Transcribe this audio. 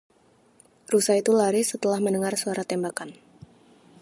Rusa itu lari setelah mendengar suara tembakan.